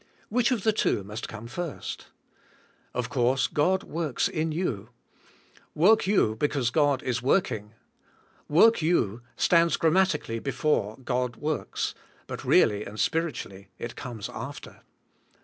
Which of the two must come first? Of course God works in you. Work you because God is working". Work you stands g rammatically before God ivorks^ but really and spiritually it comes after.